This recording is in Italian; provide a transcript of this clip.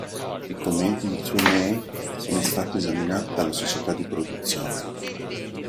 I commenti di True-May sono stati esaminati dalla società di produzione.